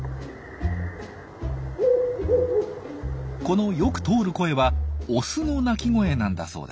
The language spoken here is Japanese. このよく通る声はオスの鳴き声なんだそうです。